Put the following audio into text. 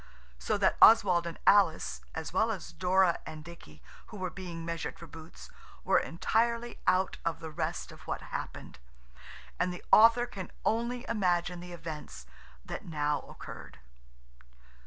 So that Oswald and Alice, as well as Dora and Dicky, who were being measured for boots, were entirely out of the rest of what happened, and the author can only imagine the events that now occurred.